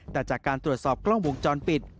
แต่จากการตรวจสอบกล้องวงจรปิด